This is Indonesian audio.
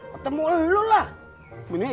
ketemu lu lah